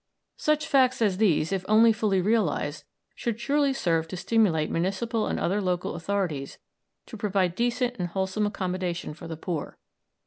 Such facts as these, if only fully realised, should surely serve to stimulate municipal and other local authorities to provide decent and wholesome accommodation for the poor.